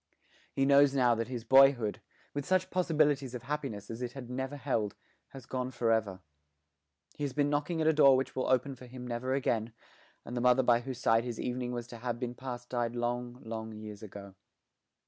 He knows now that his boyhood, with such possibilities of happiness as it had ever held, has gone for ever. He has been knocking at a door which will open for him never again, and the mother by whose side his evening was to have been passed died long long years ago.